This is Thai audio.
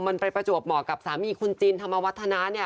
มันไปประจวบเหมาะกับสามีคุณจินธรรมวัฒนาเนี่ย